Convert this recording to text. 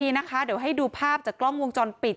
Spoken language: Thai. เดี๋ยวนะคะเดี๋ยวให้ดูภาพจากกล้องวงจรปิด